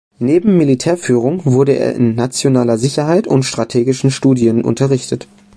Neben Militärführung wurde er in nationaler Sicherheit und strategischen Studien unterrichtet.